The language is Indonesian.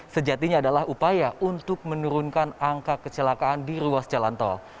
sejatinya adalah upaya untuk menurunkan angka kecelakaan di ruas jalan tol